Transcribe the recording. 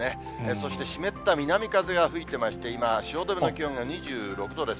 そして、湿った南風が吹いてまして、今、汐留の気温が２６度です。